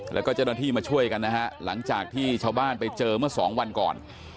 แล้วก็เจ้าหน้าที่มาช่วยกันนะฮะหลังจากที่ชาวบ้านไปเจอเมื่อสองวันก่อน